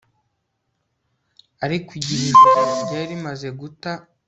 Ariko igihe Ijoro ryari rimaze guta